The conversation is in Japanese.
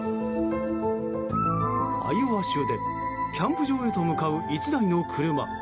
アイオワ州でキャンプ場へと向かう１台の車。